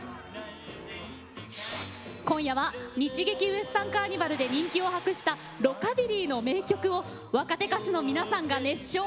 今夜は日劇ウエスタンカーニバルで人気を博したロカビリーの名曲を若手歌手の皆さんが熱唱！